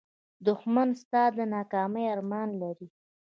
دښمن ستا د ناکامۍ ارمان لري